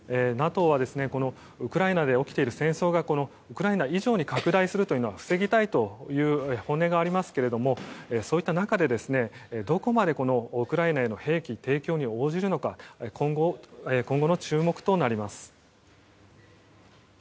ＮＡＴＯはウクライナで起きている戦争がウクライナ以上に拡大するというのは防ぎたいという本音がありますけれどもそういった中で、どこまでウクライナへの兵器提供に応じるのかが今後の注目になります。